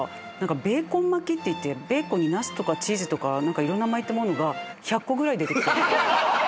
ベーコン巻きっていってベーコンにナスとかチーズとかいろんな巻いたものが１００個ぐらい出てきたの。